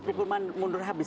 diperlukan mundur habis